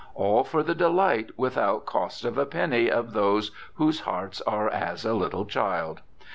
All for the delight without cost of a penny of those whose hearts are as a little child.